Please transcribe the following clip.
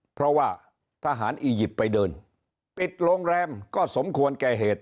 เพราะว่าทหารอียิปต์ไปเดินปิดโรงแรมก็สมควรแก่เหตุ